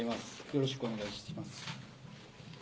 よろしくお願いします。